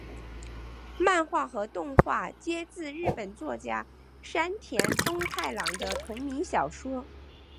漫画和动画皆自日本作家山田风太郎的同名小说。